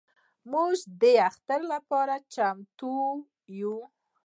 موږ د اختر لپاره چمتو یو.